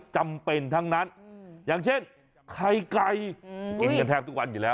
จำเป็นทั้งนั้นอย่างเช่นไข่ไก่กินกันแทบทุกวันอยู่แล้ว